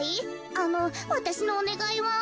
あのわたしのおねがいは。